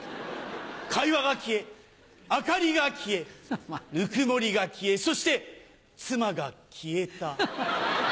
会話が消え明かりが消えぬくもりが消えそして妻が消えた。